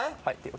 はい。